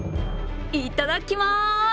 いただきます！